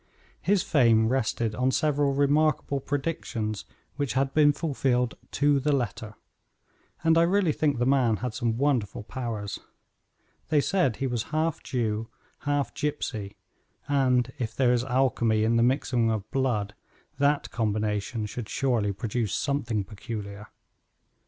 His fame rested on several remarkable predictions which had been fulfilled to the letter, and I really think the man had some wonderful powers. They said he was half Jew, half gypsy, and, if there is alchemy in the mixing of blood, that combination should surely produce something peculiar.